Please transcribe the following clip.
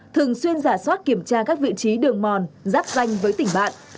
thường xuyên giả soát kiểm tra các vị trí đường mòn giáp danh với tỉnh bạn